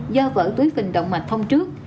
do vỡ túi phình động mạch thông trước